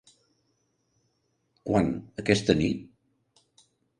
Quan, aquesta nit?